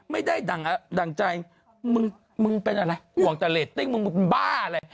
ไม่ได้ดั่งใจมึงมึงเป็นอะไรห่วงแต่เรตติ้งมึงมึงบ้าอะไร